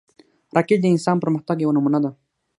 راکټ د انسان پرمختګ یوه نمونه ده